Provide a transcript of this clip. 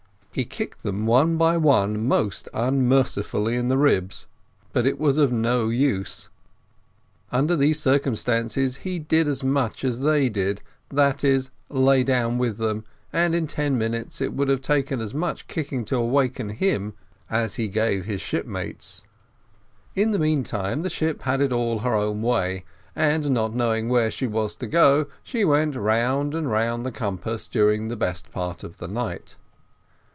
He kicked them one by one most unmercifully in the ribs, but it was of no use: under these circumstances, he did as they did, that is, lay down with them, and in ten minutes it would have taken as much kicking to awake him as he gave his shipmates. In the meantime the ship had it all her own way, and not knowing where she was to go she went round and round the compass during the best part of the night.